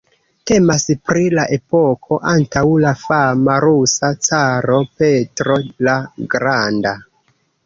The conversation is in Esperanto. Temas pri la epoko antaŭ la fama rusa caro Petro la Granda.